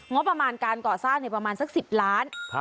งบประมาณการก่อสร้างประมาณสัก๑๐ล้าน